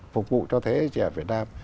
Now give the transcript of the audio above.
phục vụ cho thế giới trẻ việt nam